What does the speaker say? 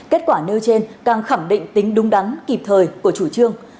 kết quả nêu trên càng khẳng định tính đúng đắn kịp thời của chủ trương